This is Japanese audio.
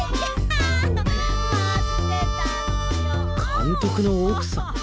監督の奥さん？